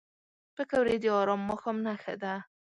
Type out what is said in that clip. پکورې د ارام ماښام نښه ده